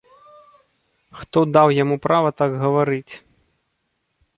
Хто даў яму права так гаварыць?